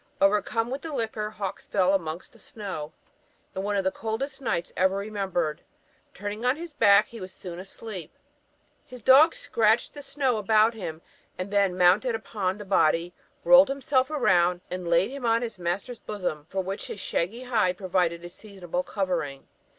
Overcome with the liquor, Hawkes fell amongst the snow, in one of the coldest nights ever remembered: turning on his back, he was soon asleep; his dog scratched the snow about him, and then mounted upon the body, rolled himself round, and laid him on his master's bosom, for which his shaggy hide proved a seasonable covering.